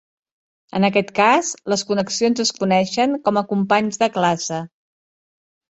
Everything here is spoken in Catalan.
En aquest cas, les connexions es coneixen com a "companys de classe".